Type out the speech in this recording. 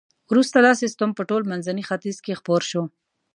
وروسته دا سیستم په ټول منځني ختیځ کې خپور شو.